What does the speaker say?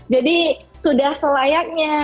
jadi sudah selayaknya